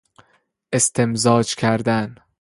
استمزاج کردن